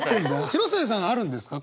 広末さんあるんですか？